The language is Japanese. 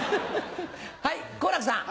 はい好楽さん。